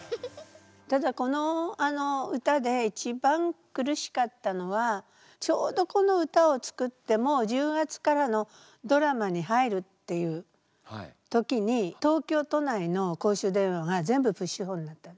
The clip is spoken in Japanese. ただこの歌で一番苦しかったのはちょうどこの歌を作ってもう１０月からのドラマに入るっていう時に東京都内の公衆電話が全部プッシュホンになった。